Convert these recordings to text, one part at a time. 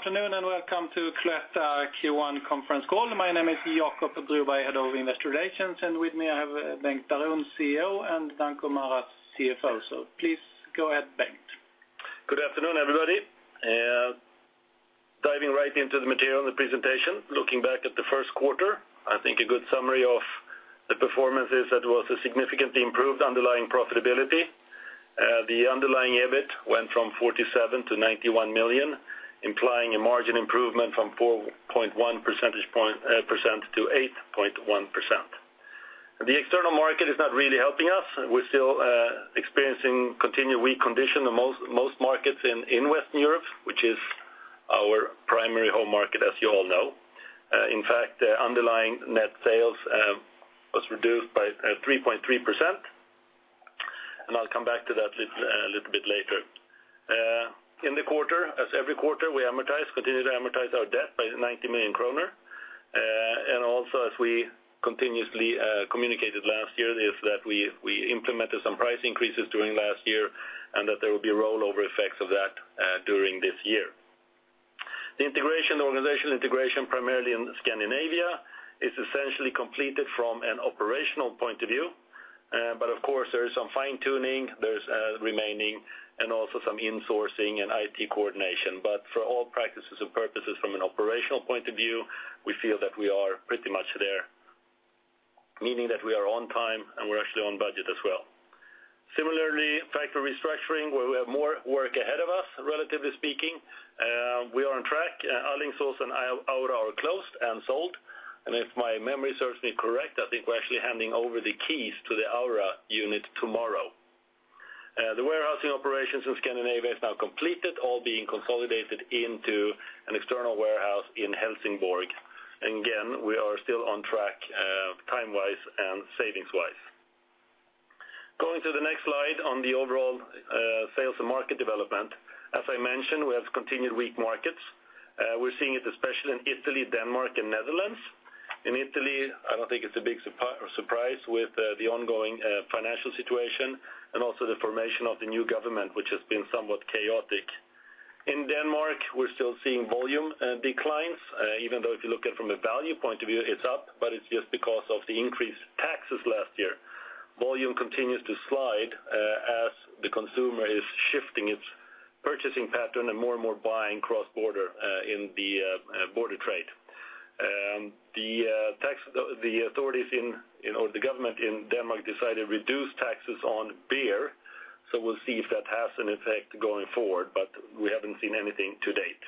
Good afternoon and welcome to Cloetta Q1 Conference Call. My name is Jacob Broberg, Head of Investor Relations, and with me I have Bengt Baron, CEO, and Danko Maras, CFO. So please go ahead, Bengt. Good afternoon, everybody. Diving right into the material and the presentation, looking back at the first quarter, I think a good summary of the performance is that it was a significantly improved underlying profitability. The underlying EBIT went from 47 million to 91 million, implying a margin improvement from 4.1 percentage points to 8.1%. The external market is not really helping us. We're still experiencing continued weak conditions in most markets in Western Europe, which is our primary home market, as you all know. In fact, the underlying net sales was reduced by 3.3%, and I'll come back to that a little bit later. In the quarter, as every quarter, we continue to amortize our debt by 90 million kronor. Also, as we continuously communicated last year, is that we implemented some price increases during last year and that there will be rollover effects of that during this year. The integration, the organizational integration primarily in Scandinavia, is essentially completed from an operational point of view. But of course there is some fine-tuning; there's remaining, and also some insourcing and IT coordination. For all intents and purposes from an operational point of view, we feel that we are pretty much there, meaning that we are on time and we're actually on budget as well. Similarly, factory restructuring, where we have more work ahead of us, relatively speaking, we are on track. Alingsås and Aura are closed and sold. And if my memory serves me correctly, I think we're actually handing over the keys to the Aura unit tomorrow. The warehousing operations in Scandinavia is now completed, all being consolidated into an external warehouse in Helsingborg. And again, we are still on track, time-wise and savings-wise. Going to the next slide on the overall sales and market development. As I mentioned, we have continued weak markets. We're seeing it especially in Italy, Denmark, and Netherlands. In Italy, I don't think it's a big surprise with the ongoing financial situation and also the formation of the new government, which has been somewhat chaotic. In Denmark, we're still seeing volume declines, even though if you look at it from a value point of view, it's up, but it's just because of the increased taxes last year. Volume continues to slide, as the consumer is shifting its purchasing pattern and more and more buying cross-border, in the border trade. The tax authorities in or the government in Denmark decided to reduce taxes on beer. So we'll see if that has an effect going forward, but we haven't seen anything to date.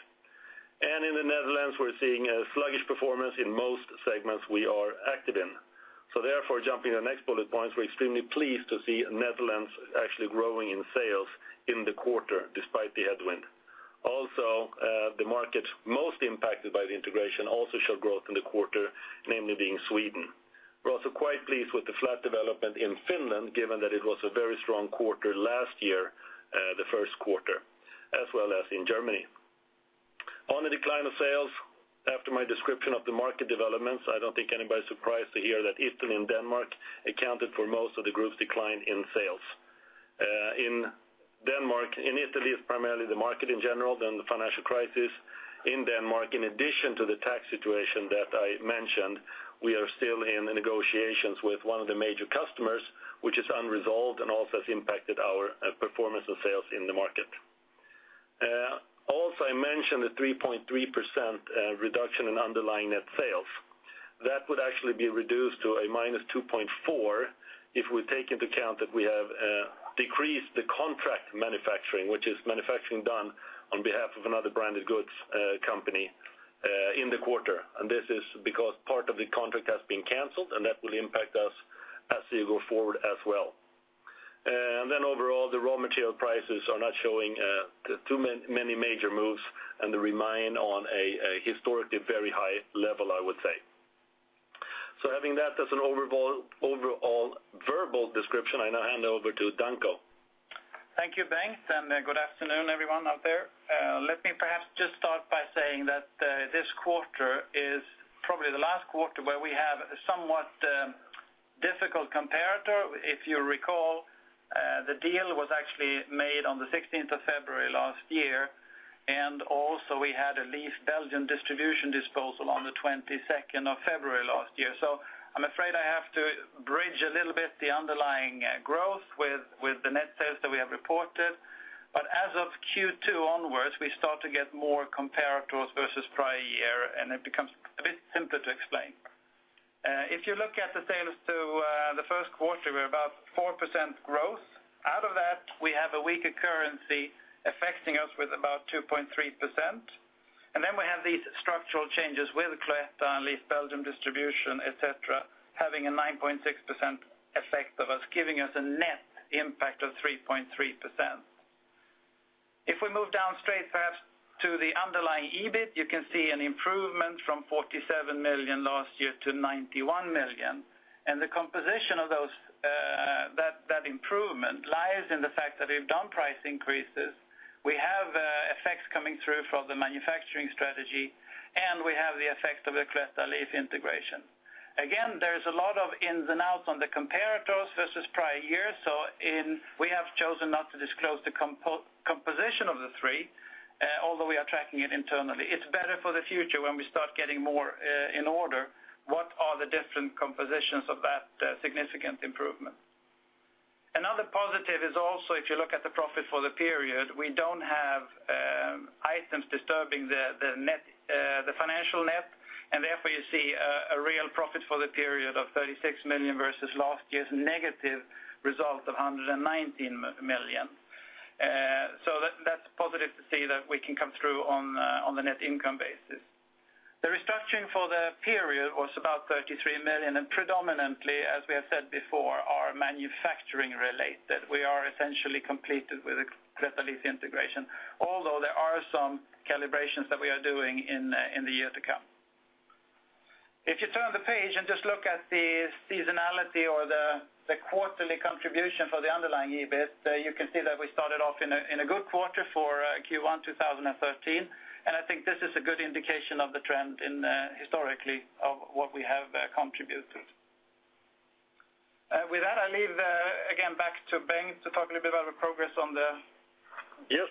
In the Netherlands, we're seeing a sluggish performance in most segments we are active in. So therefore, jumping to the next bullet points, we're extremely pleased to see Netherlands actually growing in sales in the quarter despite the headwind. Also, the markets most impacted by the integration also show growth in the quarter, namely being Sweden. We're also quite pleased with the flat development in Finland, given that it was a very strong quarter last year, the first quarter, as well as in Germany. On the decline of sales, after my description of the market developments, I don't think anybody's surprised to hear that Italy and Denmark accounted for most of the group's decline in sales. In Denmark, in Italy is primarily the market in general than the financial crisis. In Denmark, in addition to the tax situation that I mentioned, we are still in negotiations with one of the major customers, which is unresolved and also has impacted our performance and sales in the market. Also, I mentioned the 3.3% reduction in underlying net sales. That would actually be reduced to a -2.4% if we take into account that we have decreased the contract manufacturing, which is manufacturing done on behalf of another branded goods company, in the quarter. This is because part of the contract has been canceled and that will impact us as we go forward as well. Then overall, the raw material prices are not showing too many major moves and they remain on a historically very high level, I would say. So having that as an overall, overall verbal description, I now hand over to Danko. Thank you, Bengt, and good afternoon, everyone out there. Let me perhaps just start by saying that this quarter is probably the last quarter where we have somewhat difficult comparator. If you recall, the deal was actually made on the 16th of February last year, and also we had a LEAF Belgium Distribution disposal on the 22nd of February last year. So I'm afraid I have to bridge a little bit the underlying growth with the net sales that we have reported. But as of Q2 onwards, we start to get more comparators versus prior year, and it becomes a bit simpler to explain. If you look at the sales to the first quarter, we're about 4% growth. Out of that, we have a weak currency affecting us with about 2.3%. Then we have these structural changes with Cloetta and LEAF Belgium Distribution, etc., having a 9.6% effect on us, giving us a net impact of 3.3%. If we move down straight perhaps to the underlying EBIT, you can see an improvement from 47 million last year to 91 million. The composition of those, that improvement lies in the fact that we've done price increases. We have effects coming through from the manufacturing strategy, and we have the effect of the Cloetta LEAF Integration. Again, there's a lot of ins and outs on the comparators versus prior year. So, we have chosen not to disclose the composition of the three, although we are tracking it internally. It's better for the future when we start getting more in order, what are the different compositions of that significant improvement. Another positive is also, if you look at the profit for the period, we don't have items disturbing the net, the financial net. And therefore you see a real profit for the period of 36 million versus last year's negative result of 119 million. So that, that's positive to see that we can come through on the net income basis. The restructuring for the period was about 33 million and predominantly, as we have said before, are manufacturing related. We are essentially completed with the Cloetta-LEAF integration, although there are some calibrations that we are doing in the year to come. If you turn the page and just look at the seasonality or the quarterly contribution for the underlying EBIT, you can see that we started off in a good quarter for Q1 2013. I think this is a good indication of the trend, historically, of what we have contributed. With that, I leave again back to Bengt to talk a little bit about the progress on the. Yes.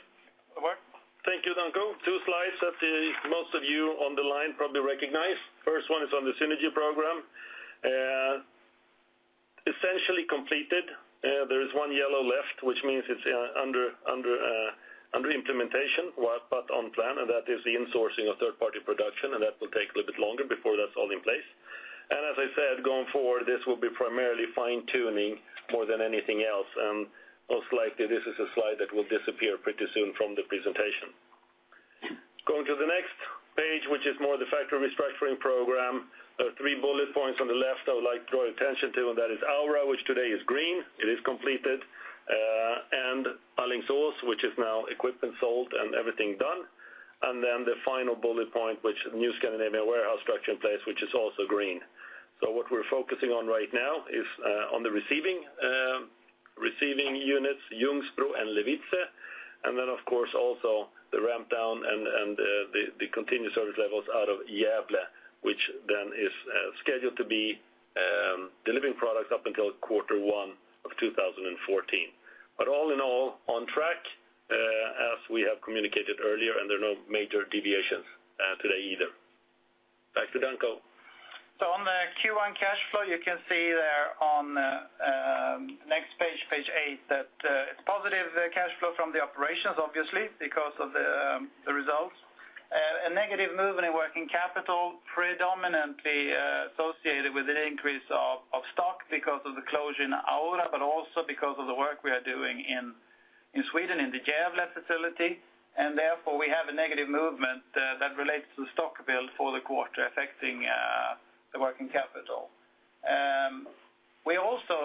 The work? Thank you, Danko. Two slides that the most of you on the line probably recognize. First one is on the synergy program. Essentially completed. There is one yellow left, which means it's under implementation, but on plan, and that is the insourcing of third-party production, and that will take a little bit longer before that's all in place. As I said, going forward, this will be primarily fine-tuning more than anything else, and most likely this is a slide that will disappear pretty soon from the presentation. Going to the next page, which is more the factory restructuring program, there are three bullet points on the left I would like to draw your attention to, and that is Aura, which today is green. It is completed, and Alingsås, which is now equipment sold and everything done. Then the final bullet point, with the new Scandinavian warehouse structure in place, which is also green. So what we're focusing on right now is on the receiving units, Ljungsbro and Levice, and then of course also the rampdown and the continuous service levels out of Gävle, which is scheduled to be delivering products up until quarter one of 2014. But all in all, on track, as we have communicated earlier, and there are no major deviations today either. Back to Danko. So on the Q1 cash flow, you can see there on the next page, page 8, that it's positive, the cash flow from the operations, obviously, because of the results. A negative move in the working capital, predominantly associated with an increase of stock because of the closure in Aura, but also because of the work we are doing in Sweden, in the Gävle facility. And therefore we have a negative movement that relates to the stock build for the quarter affecting the working capital. You can also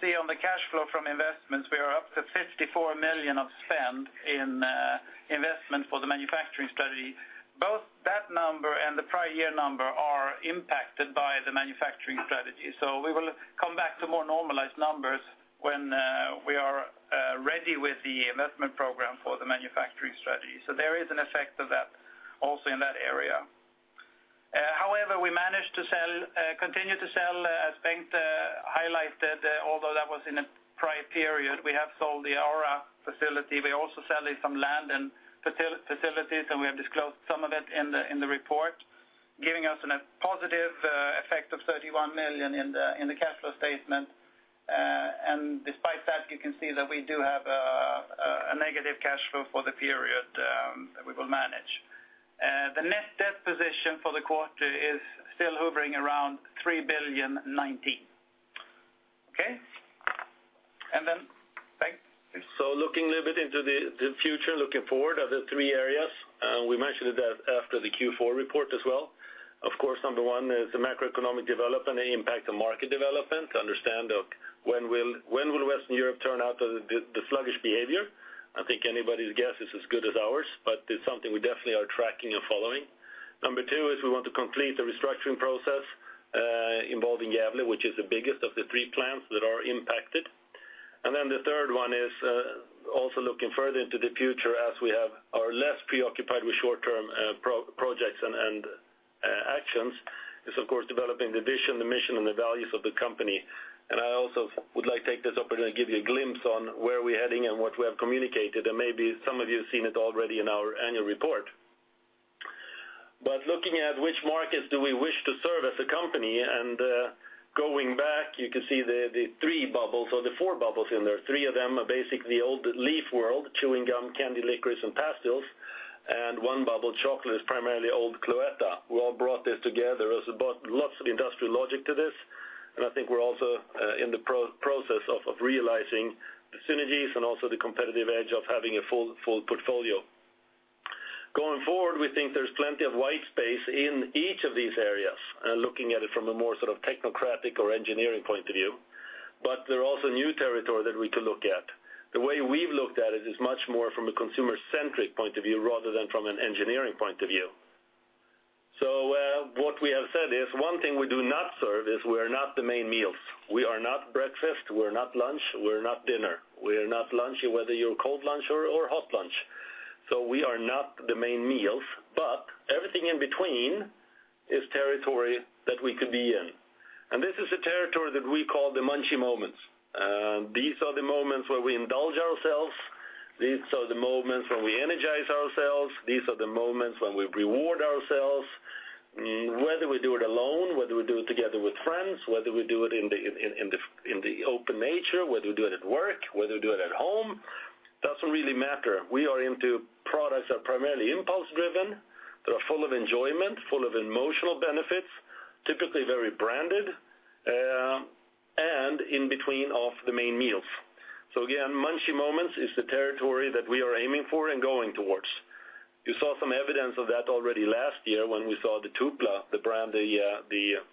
see on the cash flow from investments, we are up to 54 million of spend in investment for the manufacturing strategy. Both that number and the prior year number are impacted by the manufacturing strategy. So we will come back to more normalized numbers when we are ready with the investment program for the manufacturing strategy. So there is an effect of that also in that area. However, we managed to sell, continue to sell, as Bengt highlighted, although that was in a prior period. We have sold the Aura facility. We also sell some land and facilities, and we have disclosed some of it in the report, giving us a positive effect of 31 million in the cash flow statement. And despite that, you can see that we do have a negative cash flow for the period, that we will manage. The net debt position for the quarter is still hovering around billion 3.19. Okay? And then, Bengt? So looking a little bit into the future, looking forward, are there three areas? We mentioned it after the Q4 report as well. Of course, number one is the macroeconomic development, the impact on market development, to understand when Western Europe will turn out of the sluggish behavior. I think anybody's guess is as good as ours, but it's something we definitely are tracking and following. Number two is we want to complete the restructuring process, involving Gävle, which is the biggest of the three plants that are impacted. And then the third one is also looking further into the future as we are less preoccupied with short-term projects and actions. It's of course developing the vision, the mission, and the values of the company. I also would like to take this opportunity to give you a glimpse on where we're heading and what we have communicated, and maybe some of you have seen it already in our annual report. Looking at which markets do we wish to serve as a company, and, going back, you can see the three bubbles or the four bubbles in there. Three of them are basically the old LEAF world, chewing gum, candy licorice, and pastels. One bubble, chocolate, is primarily old Cloetta. We all brought this together. There's a lot of industrial logic to this, and I think we're also in the process of realizing the synergies and also the competitive edge of having a full portfolio. Going forward, we think there's plenty of white space in each of these areas, looking at it from a more sort of technocratic or engineering point of view. But there are also new territory that we could look at. The way we've looked at it is much more from a consumer-centric point of view rather than from an engineering point of view. So, what we have said is one thing we do not serve is we are not the main meals. We are not breakfast. We're not lunch. We're not dinner. We are not lunchy, whether you're cold lunch or, or hot lunch. So we are not the main meals, but everything in between is territory that we could be in. And this is the territory that we call the Munchie Moments. These are the moments where we indulge ourselves. These are the moments when we energize ourselves. These are the moments when we reward ourselves. Whether we do it alone, whether we do it together with friends, whether we do it in the open nature, whether we do it at work, whether we do it at home, doesn't really matter. We are into products that are primarily impulse-driven, that are full of enjoyment, full of emotional benefits, typically very branded, and in between of the main meals. So again, Munchie Moments is the territory that we are aiming for and going towards. You saw some evidence of that already last year when we saw the Tupla, the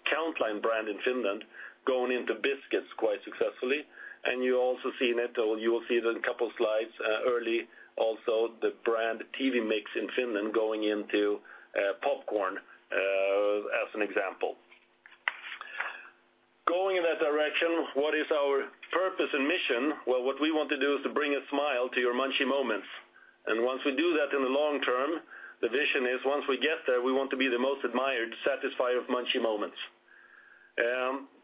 Countline brand in Finland going into biscuits quite successfully. You also seen it or you will see it in a couple of slides, early also, the brand TV Mix in Finland going into popcorn, as an example. Going in that direction, what is our purpose and mission? Well, what we want to do is to bring a smile to your Munchie Moments. And once we do that in the long term, the vision is once we get there, we want to be the most admired, satisfied of Munchie Moments.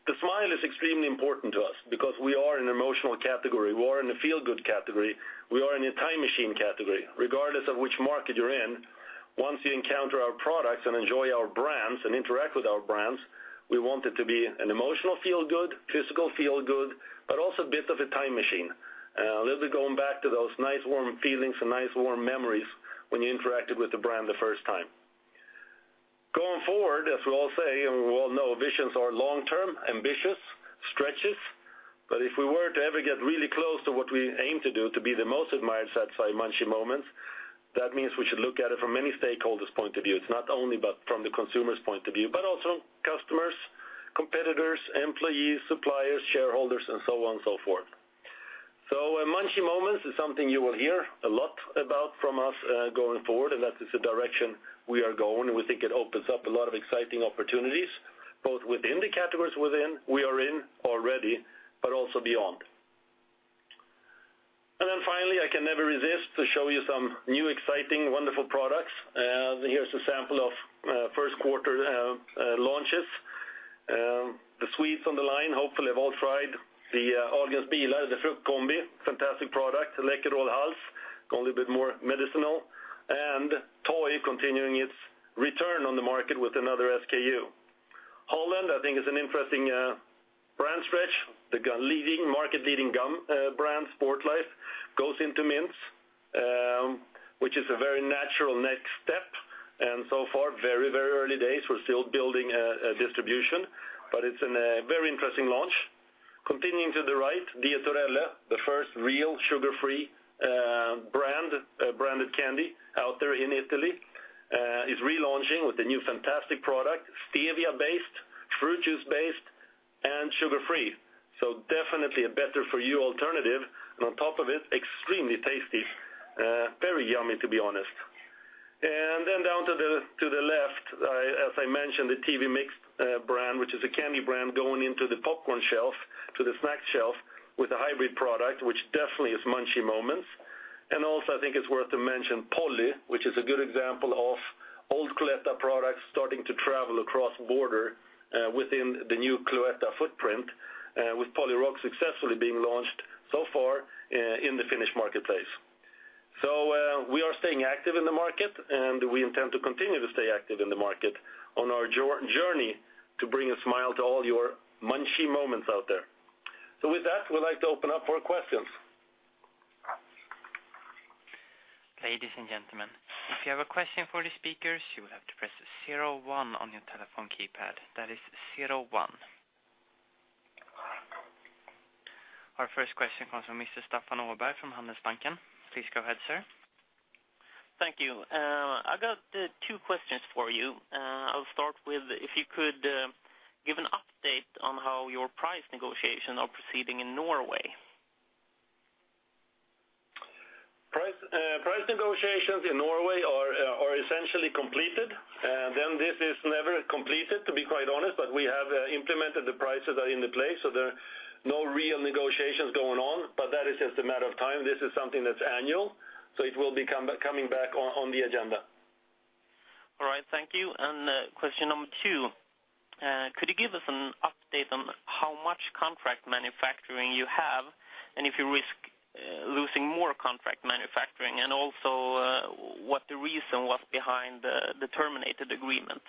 The smile is extremely important to us because we are an emotional category. We are in the feel-good category. We are in a time machine category. Regardless of which market you're in, once you encounter our products and enjoy our brands and interact with our brands, we want it to be an emotional feel-good, physical feel-good, but also a bit of a time machine. A little bit going back to those nice warm feelings and nice warm memories when you interacted with the brand the first time. Going forward, as we all say and we all know, visions are long-term, ambitious stretches. But if we were to ever get really close to what we aim to do, to be the most admired satisfied Munchie Moments, that means we should look at it from many stakeholders' point of view. It's not only but from the consumer's point of view, but also customers, competitors, employees, suppliers, shareholders, and so on and so forth. So, Munchie Moments is something you will hear a lot about from us, going forward, and that is the direction we are going. We think it opens up a lot of exciting opportunities, both within the categories within we are in already, but also beyond. And then finally, I can never resist to show you some new exciting, wonderful products. Here's a sample of first quarter launches. The sweets on the line, hopefully have all tried the Ahlgrens bilar, the Fruktkombi, fantastic product, Läkerol Hals, going a little bit more medicinal, and Toy continuing its return on the market with another SKU. Holland, I think, is an interesting brand stretch. The gum leading, market-leading gum brand, Sportlife, goes into mints, which is a very natural next step. And so far, very, very early days. We're still building a distribution, but it's a very interesting launch. Continuing to the right, Dietorelle, the first real sugar-free branded candy out there in Italy, is relaunching with a new fantastic product, stevia-based, fruit juice-based, and sugar-free. So definitely a better-for-you alternative. And on top of it, extremely tasty, very yummy, to be honest. And then down to the left, as I mentioned, the TV Mix brand, which is a candy brand, going into the popcorn shelf, to the snack shelf with a hybrid product, which definitely is Munchie Moments. And also, I think it's worth to mention Polly, which is a good example of old Cloetta products starting to travel across border, within the new Cloetta footprint, with Polly Rocks successfully being launched so far, in the Finnish marketplace. So, we are staying active in the market, and we intend to continue to stay active in the market on our journey to bring a smile to all your Munchie Moments out there. So with that, we'd like to open up for questions. Ladies and gentlemen, if you have a question for the speakers, you will have to press 01 on your telephone keypad. That is zero one. Our first question comes from Mr. Staffan Åberg from Handelsbanken. Please go ahead, sir. Thank you. I've got two questions for you. I'll start with if you could give an update on how your price negotiations are proceeding in Norway. Price negotiations in Norway are essentially completed. Then this is never completed, to be quite honest, but we have implemented the prices that are in place, so there are no real negotiations going on. But that is just a matter of time. This is something that's annual, so it will be coming back on the agenda. All right. Thank you. And question number two. Could you give us an update on how much contract manufacturing you have and if you risk losing more contract manufacturing, and also, what the reason was behind the terminated agreement?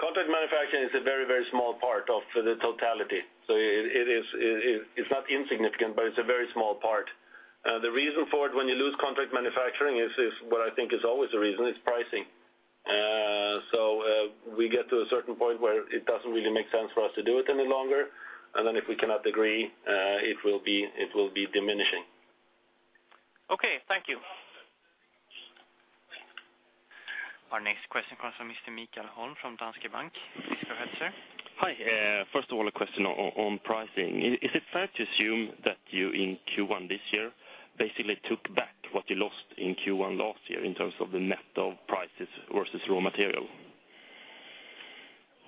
Contract manufacturing is a very, very small part of the totality. So it is not insignificant, but it's a very small part. The reason for it, when you lose contract manufacturing, is what I think is always the reason, is pricing. So we get to a certain point where it doesn't really make sense for us to do it any longer. And then if we cannot agree, it will be diminishing. Okay. Thank you. Our next question comes from Mr. Mikael Holm from Danske Bank. Please go ahead, sir. Hi. First of all, a question on pricing. Is it fair to assume that you in Q1 this year basically took back what you lost in Q1 last year in terms of the net of prices versus raw material?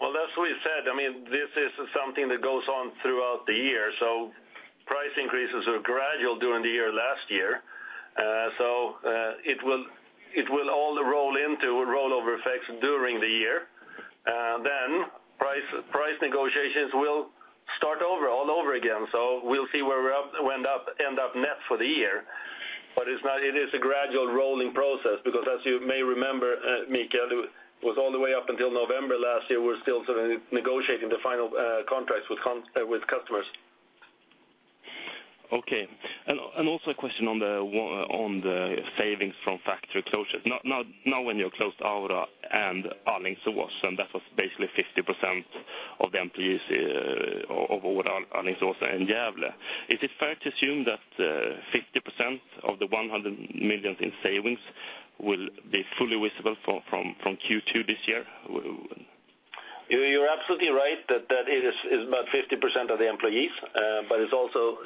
Well, that's what we said. I mean, this is something that goes on throughout the year. So price increases were gradual during the year last year. So, it will all roll into rollover effects during the year. Then price negotiations will start over, all over again. So we'll see where we end up net for the year. But it is a gradual rolling process because, as you may remember, Mikael, it was all the way up until November last year, we were still sort of negotiating the final contracts with customers. Okay. And also a question on the savings from factory closures. Now, when you closed Aura and Alingsås, and that was basically 50% of the employees of all Alingsås and Gävle, is it fair to assume that 50% of the 100 million in savings will be fully visible from Q2 this year? Who? You're absolutely right that it is about 50% of the employees. But it's also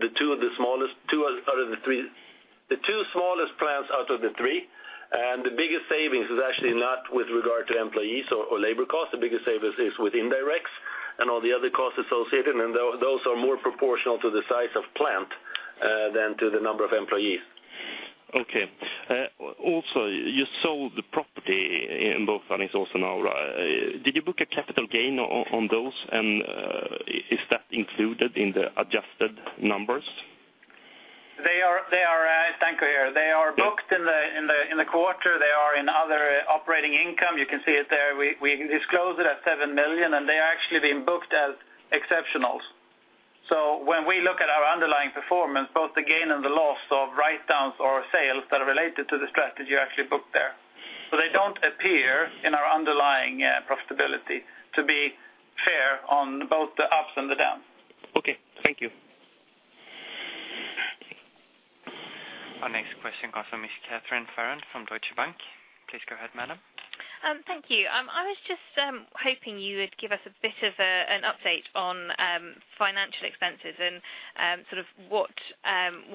the two smallest plants out of the three. And the biggest savings is actually not with regard to employees or labor costs. The biggest savings is with indirects and all the other costs associated. And those are more proportional to the size of plant than to the number of employees. Okay. Also, you sold the property in both Alingsås and Aura. Did you book a capital gain on those? And, is that included in the adjusted numbers? They are, thank you. Here they are booked in the quarter. They are in other operating income. You can see it there. We disclosed it at 7 million, and they are actually being booked as exceptionals. So when we look at our underlying performance, both the gain and the loss of write-downs or sales that are related to the strategy are actually booked there. So they don't appear in our underlying profitability to be fair on both the ups and the downs. Okay. Thank you. Our next question comes from Ms. Catharina Farrow from Deutsche Bank. Please go ahead, madam. Thank you. I was just hoping you would give us a bit of an update on financial expenses and sort of what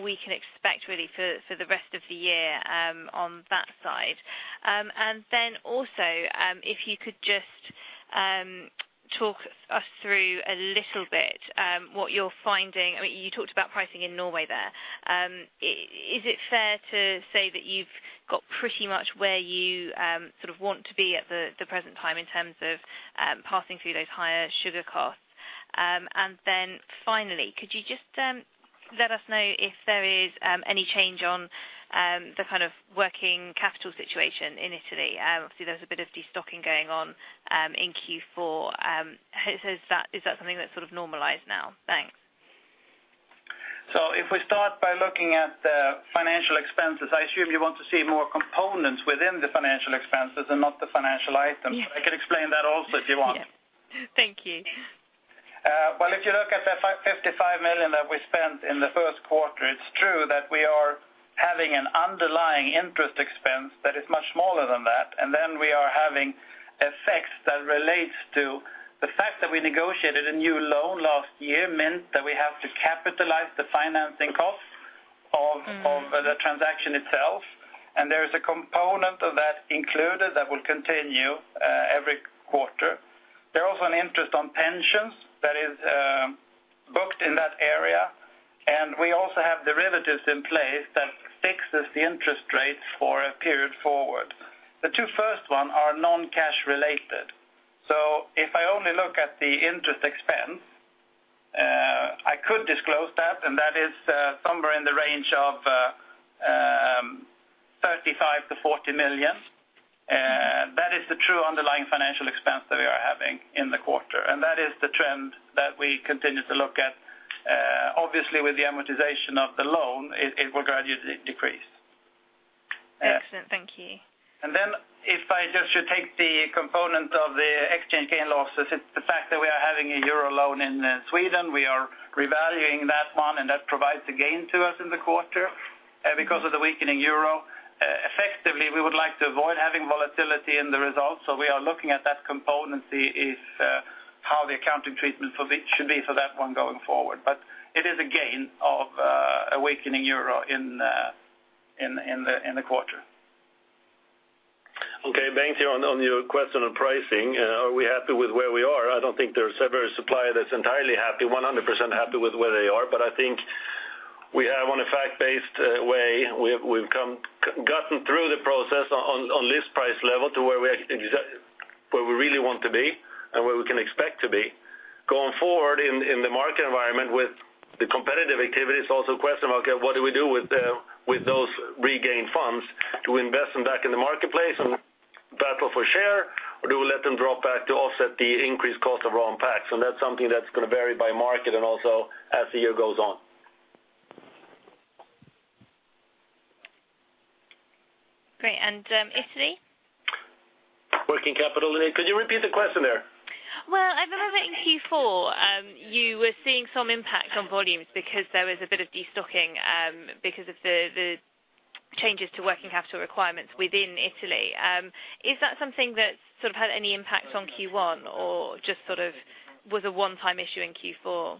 we can expect really for the rest of the year on that side. And then also, if you could just talk us through a little bit what you're finding. I mean, you talked about pricing in Norway there. Is it fair to say that you've got pretty much where you sort of want to be at the present time in terms of passing through those higher sugar costs? And then finally, could you just let us know if there is any change on the kind of working capital situation in Italy? Obviously, there's a bit of destocking going on in Q4. Has that... is that something that's sort of normalized now? Thanks. If we start by looking at the financial expenses, I assume you want to see more components within the financial expenses and not the financial items. Yes. I can explain that also if you want. Yeah. Thank you. Well, if you look at the 55 million that we spent in the first quarter, it's true that we are having an underlying interest expense that is much smaller than that. And then we are having effects that relates to the fact that we negotiated a new loan last year meant that we have to capitalize the financing costs of, of, the transaction itself. And there is a component of that included that will continue, every quarter. There's also an interest on pensions that is, booked in that area. And we also have derivatives in place that fixes the interest rates for a period forward. The two first one are non-cash related. So if I only look at the interest expense, I could disclose that, and that is, somewhere in the range of, 35 million-40 million. That is the true underlying financial expense that we are having in the quarter. That is the trend that we continue to look at. Obviously, with the amortization of the loan, it, it will gradually decrease. Excellent. Thank you. Then if I just should take the component of the exchange gain losses, it's the fact that we are having a euro loan in Sweden. We are revaluing that one, and that provides a gain to us in the quarter, because of the weakening euro. Effectively, we would like to avoid having volatility in the results. So we are looking at that component to see if, how the accounting treatment for EBIT should be for that one going forward. But it is a gain of a weakening euro in the quarter. Okay. Thanks here on your question on pricing. Are we happy with where we are? I don't think there's ever a supplier that's entirely happy, 100% happy with where they are. But I think we have on a fact-based way, we've gotten through the process on list price level to where we exactly want to be and where we can expect to be. Going forward in the market environment with the competitive activities, also a question about, okay, what do we do with those regained funds? Do we invest them back in the marketplace and battle for share, or do we let them drop back to offset the increased cost of raw impacts? And that's something that's gonna vary by market and also as the year goes on. Great. And Italy? Working capital, Nathalie. Could you repeat the question there? Well, I remember in Q4, you were seeing some impact on volumes because there was a bit of destocking, because of the changes to working capital requirements within Italy. Is that something that sort of had any impact on Q1 or just sort of was a one-time issue in Q4?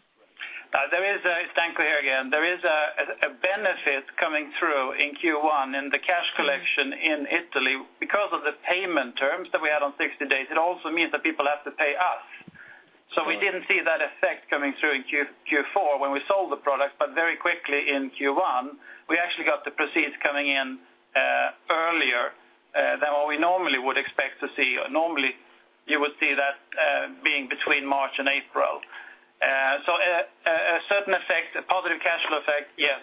There is a benefit coming through in Q1 in the cash collection in Italy because of the payment terms that we had on 60 days. It also means that people have to pay us. So we didn't see that effect coming through in Q4 when we sold the products. But very quickly in Q1, we actually got the proceeds coming in earlier than what we normally would expect to see. Normally, you would see that being between March and April. So a certain effect, a positive cash flow effect, yes.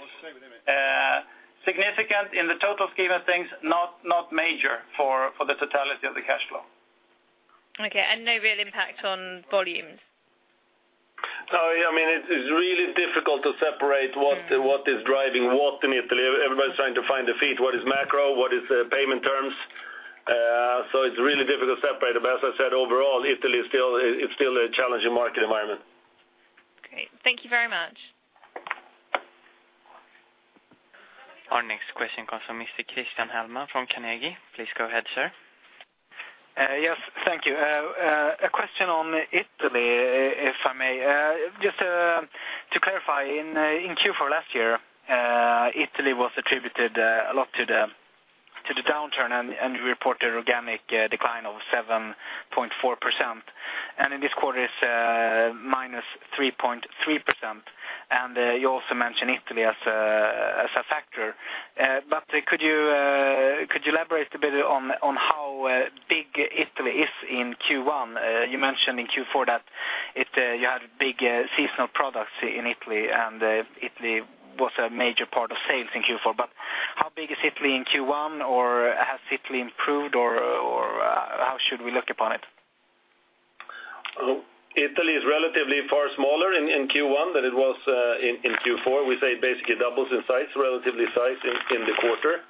Significant in the total scheme of things, not major for the totality of the cash flow. Okay. No real impact on volumes? No, yeah. I mean, it's really difficult to separate what is driving what in Italy. Everybody's trying to find a feed. What is macro? What is payment terms? So it's really difficult to separate. But as I said, overall, Italy is still it's still a challenging market environment. Great. Thank you very much. Our next question comes from Mr. Christian Hellman from Carnegie. Please go ahead, sir. Yes. Thank you. A question on Italy, if I may. Just, to clarify, in Q4 last year, Italy was attributed a lot to the downturn and reported organic decline of 7.4%. And in this quarter is -3.3%. And you also mentioned Italy as a factor. But could you elaborate a bit on how big Italy is in Q1? You mentioned in Q4 that you had big seasonal products in Italy, and Italy was a major part of sales in Q4. But how big is Italy in Q1, or has Italy improved, or how should we look upon it? Italy is relatively far smaller in Q1 than it was in Q4. We say it basically doubles in size, relative size, in the quarter.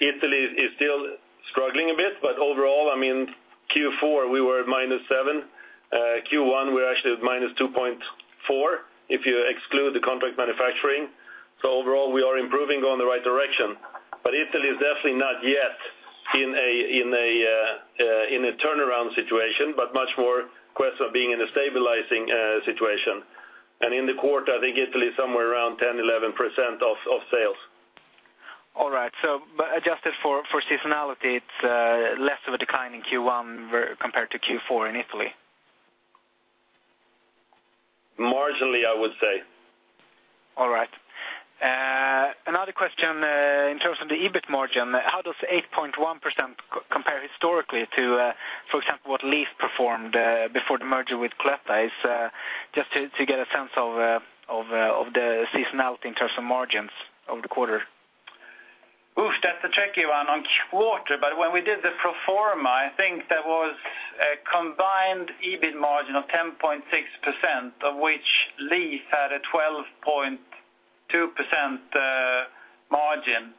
Italy is still struggling a bit. But overall, I mean, Q4, we were at -7%. Q1, we're actually at -2.4% if you exclude the contract manufacturing. So overall, we are improving going the right direction. But Italy is definitely not yet in a turnaround situation, but much more a question of being in a stabilizing situation. And in the quarter, I think Italy is somewhere around 10%-11% of sales. All right. So but adjusted for seasonality, it's less of a decline in Q1 versus compared to Q4 in Italy? Marginally, I would say. All right. Another question, in terms of the EBIT margin, how does 8.1% compare historically to, for example, what LEAF performed, before the merger with Cloetta? It's just to get a sense of the seasonality in terms of margins over the quarter. Oof, that's a tricky one on quarter. But when we did the pro forma, I think there was a combined EBIT margin of 10.6%, of which LEAF had a 12.2% margin.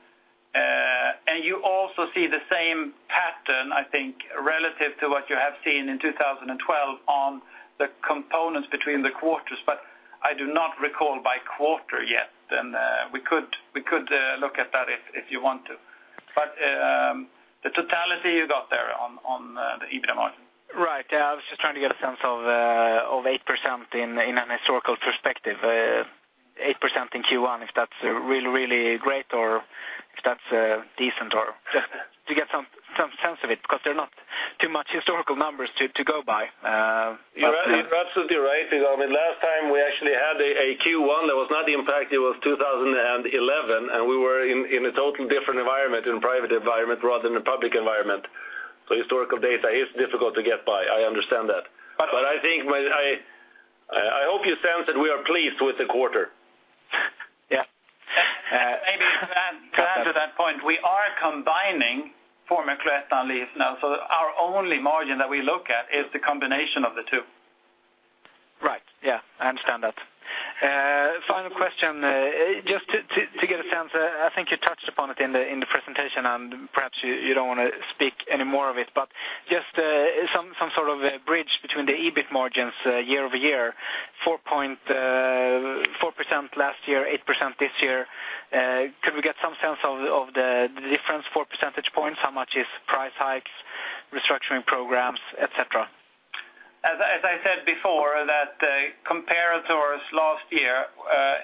And you also see the same pattern, I think, relative to what you have seen in 2012 on the components between the quarters. But I do not recall by quarter yet. And we could look at that if you want to. But the totality you got there on the EBIT margin? Right. Yeah. I was just trying to get a sense of 8% in a historical perspective. 8% in Q1, if that's really, really great or if that's decent or just to get some sense of it because there aren't too many historical numbers to go by. You're absolutely right. You're absolutely right. I mean, last time, we actually had a Q1. There was not the impact. It was 2011. And we were in a totally different environment, in a private environment rather than a public environment. So historical data, it's difficult to get by. I understand that. But I think, I hope you sense that we are pleased with the quarter. Yeah. Maybe to add to that point, we are combining former Cloetta and LEAF now. So our only margin that we look at is the combination of the two. Right. Yeah. I understand that. Final question, it's just to get a sense. I think you touched upon it in the presentation, and perhaps you don't wanna speak any more of it. But just some sort of bridge between the EBIT margins, year-over-year, 4.4% last year, 8% this year. Could we get some sense of the difference, 4 percentage points, how much is price hikes, restructuring programs, etc.? As I said before, that, compared to us last year,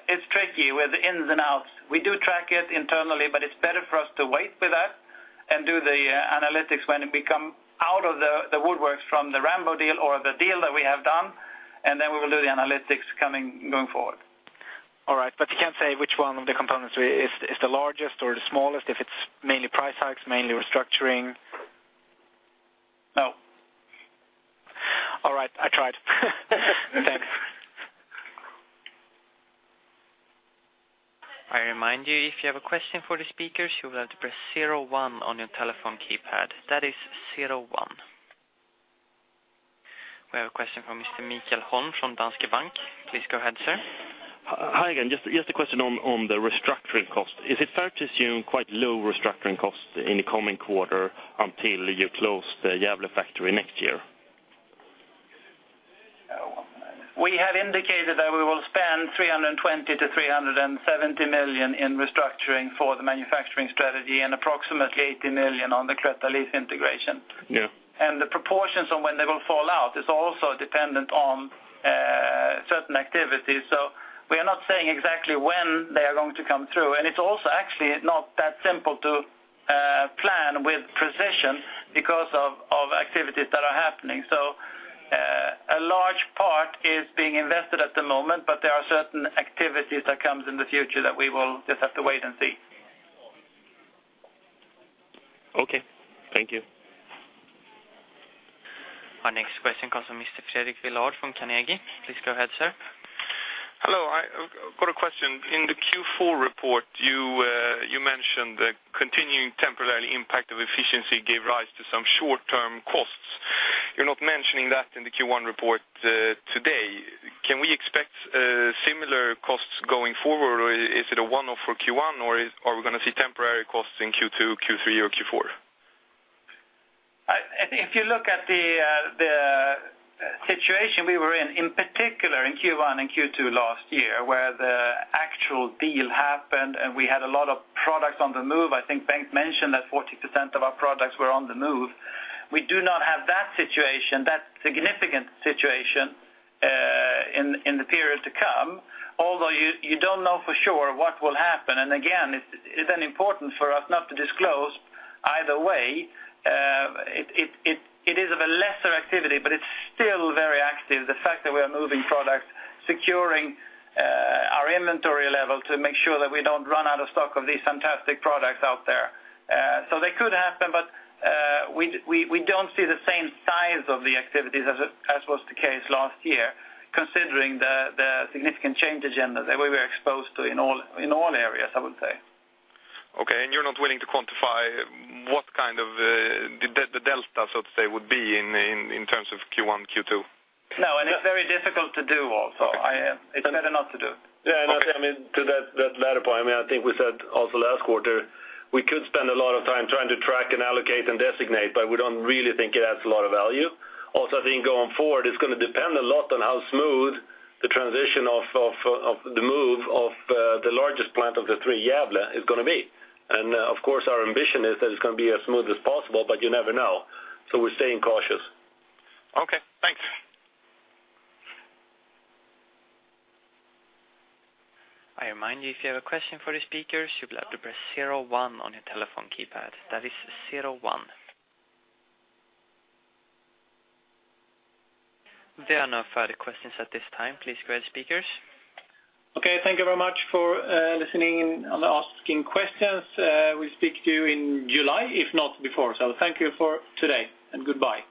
it's tricky with the ins and outs. We do track it internally, but it's better for us to wait with that and do the analytics when we come out of the woodworks from the Rambo deal or the deal that we have done. And then we will do the analytics coming going forward. All right. But you can't say which one of the components we is, is the largest or the smallest if it's mainly price hikes, mainly restructuring? No. All right. I tried. Thanks. I remind you, if you have a question for the speakers, you will have to press zero one on your telephone keypad. That is zero one. We have a question from Mr. Mikael Holm from Danske Bank. Please go ahead, sir. Hi, again. Just a question on the restructuring cost. Is it fair to assume quite low restructuring costs in the coming quarter until you close the Gävle factory next year? We have indicated that we will spend 320-370 million in restructuring for the manufacturing strategy and approximately 80 million on the Cloetta-LEAF integration. Yeah. The proportions on when they will fall out is also dependent on certain activities. So we are not saying exactly when they are going to come through. It's also actually not that simple to plan with precision because of activities that are happening. So a large part is being invested at the moment, but there are certain activities that come in the future that we will just have to wait and see. Okay. Thank you. Our next question comes from Mr. Fredrik Villard from Carnegie. Please go ahead, sir. Hello. I've got a question. In the Q4 report, you mentioned the continuing temporary impact of efficiency gave rise to some short-term costs. You're not mentioning that in the Q1 report, today. Can we expect similar costs going forward, or is it a one-off for Q1, or are we gonna see temporary costs in Q2, Q3, or Q4? I think if you look at the situation we were in, in particular in Q1 and Q2 last year where the actual deal happened and we had a lot of products on the move, I think Bengt mentioned that 40% of our products were on the move. We do not have that situation, that significant situation, in the period to come, although you don't know for sure what will happen. And again, it's then important for us not to disclose either way. It is of a lesser activity, but it's still very active, the fact that we are moving products, securing our inventory level to make sure that we don't run out of stock of these fantastic products out there. So they could happen, but we don't see the same size of the activities as was the case last year considering the significant change agenda that we were exposed to in all areas, I would say. Okay. And you're not willing to quantify what kind of the delta, so to say, would be in terms of Q1, Q2? No. And it's very difficult to do also. I, it's better not to do. Yeah. And I think, I mean, to that latter point, I mean, I think we said also last quarter, we could spend a lot of time trying to track and allocate and designate, but we don't really think it adds a lot of value. Also, I think going forward, it's gonna depend a lot on how smooth the transition of the move of the largest plant of the three, Gävle, is gonna be. And, of course, our ambition is that it's gonna be as smooth as possible, but you never know. So we're staying cautious. Okay. Thanks. I remind you, if you have a question for the speakers, you will have to press zero one on your telephone keypad. That is zero one. There are no further questions at this time. Please go ahead, speakers. Okay. Thank you very much for listening in on the asking questions. We'll speak to you in July, if not before. So thank you for today, and goodbye.